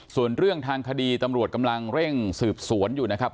ส่วนเรื่องทางคดีตำรวจกำลังเร่งสืบสวนอยู่นะครับ